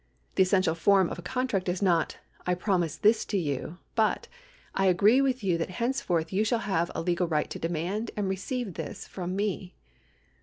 The essential form of a con tract is not : I promise this to you ; but : I agree with you that henceforth you shall have a legal right to demand and receive this from me.